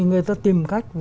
người ta tìm cách